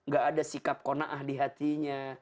gak ada sikap kona'ah di hatinya